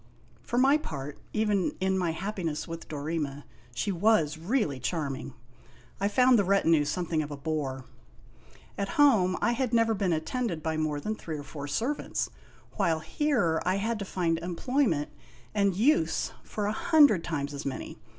For my part, even in my happiness with Dorema, she was really charming! I found the retinue something of a bore. At home, I had never been attended by more than three or four ser vants, while here I had to find employment and use for a hundred 54 IMAGINOTIONS times as many.